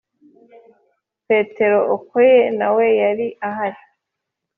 petero okoye nawe yara hari